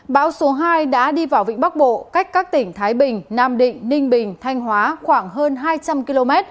bão số hai đã đi vào vịnh bắc bộ cách các tỉnh thái bình nam định ninh bình thanh hóa khoảng hơn hai trăm linh km